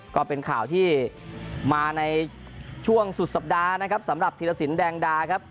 ก็เป็นข่าวที่มาในช่วงสุดสัปดาห์นะครับสำหรับธีรสินแดงดาครับ